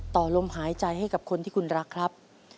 ต่อลมหายใจให้กับคนที่คุณรักครับ